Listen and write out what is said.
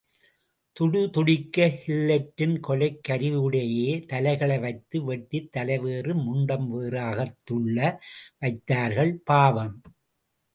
துடிதுடிக்கக் கில்லெட்டின் கொலைக் கருவியிடையே தலைகளை வைத்து வெட்டித் தலைவேறு முண்டம் வேறாகத்துள்ள வைத்த்தார்கள், பாவம்!